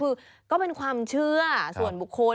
คือก็เป็นความเชื่อส่วนบุคคล